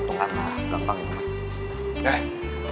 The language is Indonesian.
warang apaan sih tante guardian tinggalkan dia